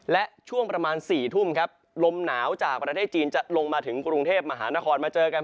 และช่วงประมาณ๔ทุ่มครับลมหนาวจากประเทศจีนจะลงมาถึงกรุงเทพมหานครมาเจอกัน